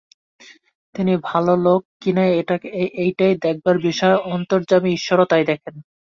তিনি ভালো লোক কিনা এইটেই দেখবার বিষয়– অন্তর্যামী ঈশ্বরও তাই দেখেন।